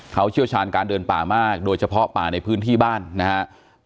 เขาเชี่ยวชาญการเดินป่ามากโดยเฉพาะป่าในพื้นที่บ้านนะครับ